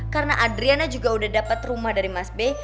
karena adriana juga udah dapat rumah dari mas be